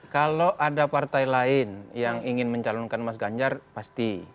kalau ada partai lain yang ingin mencalonkan mas ganjar pasti